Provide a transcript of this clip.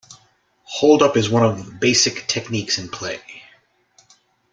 Hold up is one of basic techniques in play.